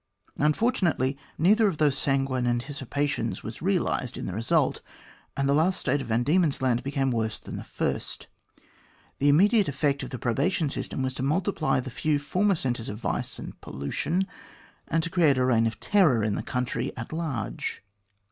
Unfortunately, neither of those sanguine anticipations was realised in the result, and the last state of Van Diemen's Land became worse than the first. The immediate effect of the probation system was to multiply the few former centres of vice and pollution, and to create a reign of terror in the country at large.